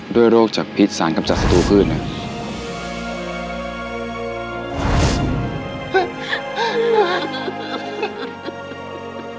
ด้วยโรคจากพิษสารกำจัดศัตรูพืช